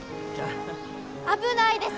危ないです！